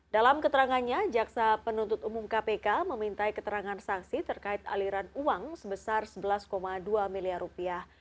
dalam keterangannya jaksa penuntut umum kpk memintai keterangan saksi terkait aliran uang sebesar sebelas dua miliar rupiah